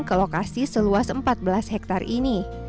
ke lokasi seluas empat belas hektare ini